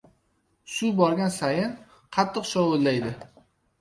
Suv borgan sayin qattiq shovullaydi.